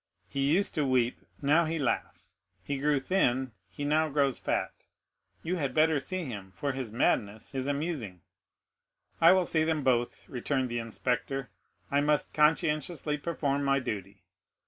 He used to weep, he now laughs; he grew thin, he now grows fat. You had better see him, for his madness is amusing." "I will see them both," returned the inspector; "I must conscientiously perform my duty."